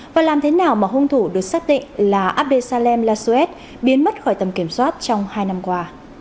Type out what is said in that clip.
và làm thế nào mà hung thủ được xác định là abdesalem lassoet biến mất khỏi tầm kiểm soát trong hai năm qua